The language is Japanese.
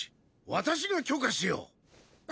私が許可しよう。